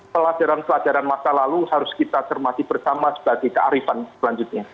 pelajaran pelajaran masa lalu harus kita cermati bersama sebagai kearifan selanjutnya